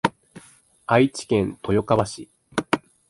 愛知県豊川市